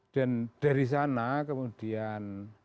dan dari sana kemudian